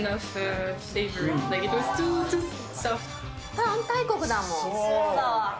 パン大国だもん。